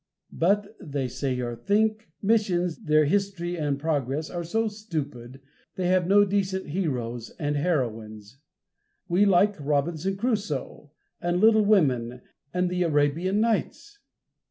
"But," they say or think, "Missions, their history and progress are so stupid, they have no decent heroes and heroines. We like Robinson Crusoe, and Little Women, and the Arabian Nights!"